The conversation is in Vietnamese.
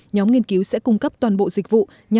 nhóm nghiên cứu sẽ cung cấp toàn bộ dịch vụ